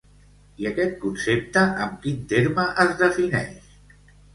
I aquest concepte amb quin terme es defineix?